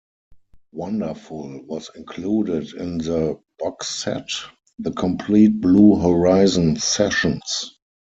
Wonderful" was included in the box set, "The Complete Blue Horizon Sessions".